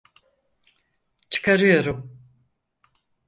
Çıkarıyorum.